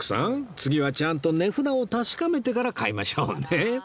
次はちゃんと値札を確かめてから買いましょうね